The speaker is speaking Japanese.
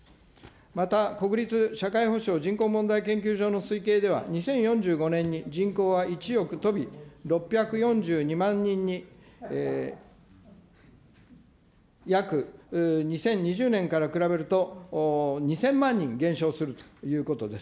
また国立社会保障・人口問題研究所の推計では２０４５年に人口は１億とび６４２万人に、約２０２０年から比べると、２０００万人減少するということです。